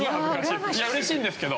いやうれしいんですけど。